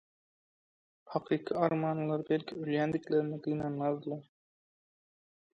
Hakyky armanlylar belki, ölýändiklerine gynanmazdylar.